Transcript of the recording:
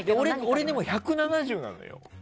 俺でも１７０なのよ。